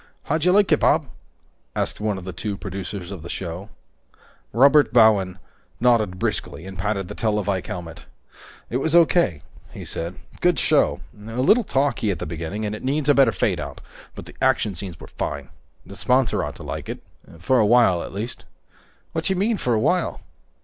"How'd you like it, Bob?" asked one of the two producers of the show. Robert Bowen nodded briskly and patted the televike helmet. "It was O.K.," he said. "Good show. A little talky at the beginning, and it needs a better fade out, but the action scenes were fine. The sponsor ought to like it for a while, at least." "What do you mean, 'for a while'?"